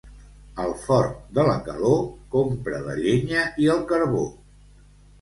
Al fort de la calor, compra la llenya i el carbó.